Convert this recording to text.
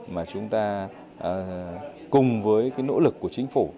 mà chúng ta cùng với cái nỗ lực của chính phủ